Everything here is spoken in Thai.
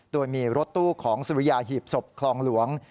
โดยมีรถตู้ของสุริยาหีบศพคลองหลวง